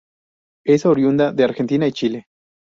Es oriunda de Argentina y Chile.